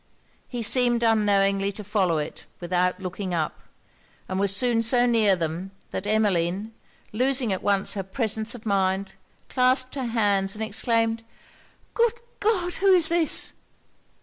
He seemed unknowingly to follow it, without looking up; and was soon so near them, that Emmeline, losing at once her presence of mind, clasped her hands, and exclaimed 'Good God! who is this?'